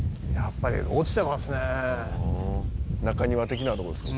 「うわあ」「中庭的なとこですか？